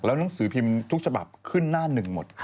แล้วเรื่องสือพิมพ์ทุกฉบับขึ้นหน้าหนึ่งหมด